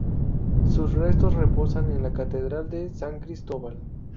Sus restos reposan en la catedral de San Cristóbal.